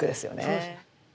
そうですね。